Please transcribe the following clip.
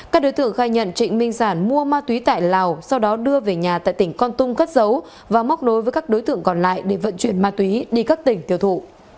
các đối tượng khai nhận trịnh minh sản mua ma túy tại lào sau đó đưa về nhà tại tỉnh con tum cất dấu và móc đối với các đối tượng còn lại để vận chuyển ma túy đi các tỉnh tiêu thụ